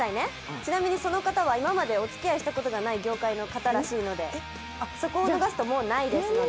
ちなみにその方は今までおつきあいしたことのない業界の方なので、そこを逃すともうないですので。